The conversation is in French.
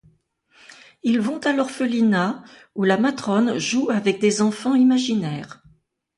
Ils vont à l'orphelinat où la matrone joue avec des enfants imaginaires.